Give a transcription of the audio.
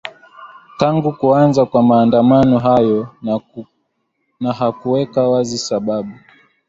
tangu kuanza kwa maandamano hayo na hakuweka wazi sababu